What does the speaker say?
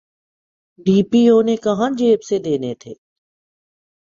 D P O نے کہاں جیب سے دینے تھے۔